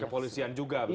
kepolisian juga begitu